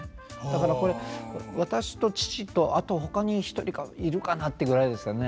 だからこれ私と父とあとほかに１人かいるかなってぐらいですかね。